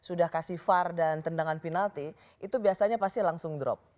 sudah kasih var dan tendangan penalti itu biasanya pasti langsung drop